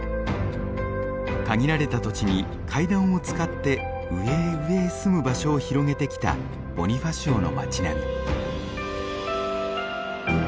限られた土地に階段を使って上へ上へ住む場所を広げてきたボニファシオの町並み。